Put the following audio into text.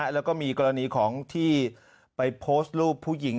แล้วก็มีกรณีของที่ไปโพสต์รูปผู้หญิง